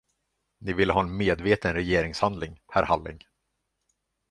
Ni ville ha en medveten regeringshandling, herr Halling.